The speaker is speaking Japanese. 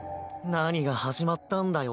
何が始まったんだよ。